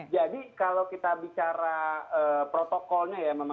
jadi kalau kita bicara protokolnya ya